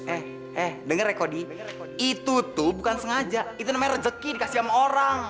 eh eh denger ya kok di itu tuh bukan sengaja itu namanya rezeki dikasih sama orang